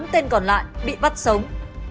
ba mươi tám tên còn lại bị bắt sống